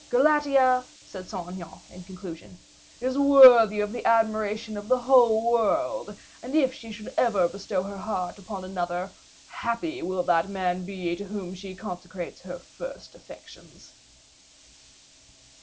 Galatea," said Saint Aignan, in conclusion, "is worthy of the admiration of the whole world; and if she should ever bestow her heart upon another, happy will that man be to whom she consecrates her first affections."